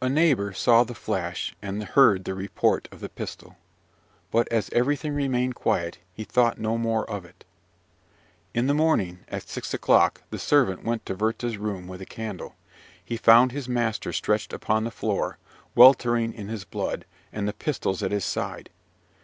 A neighbour saw the flash, and heard the report of the pistol; but, as everything remained quiet, he thought no more of it. In the morning, at six o'clock, the servant went into Werther's room with a candle. He found his master stretched upon the floor, weltering in his blood, and the pistols at his side.